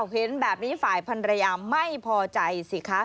เห็นแบบนี้ฝ่ายพันรยาไม่พอใจสิคะ